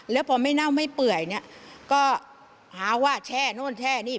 แล้วพอไม่เน่าไม่เปื่อยเนี่ยก็หาว่าแช่โน่นแช่นี่